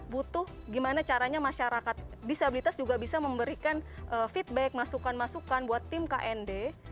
butuh gimana caranya masyarakat disabilitas juga bisa memberikan feedback masukan masukan buat tim knd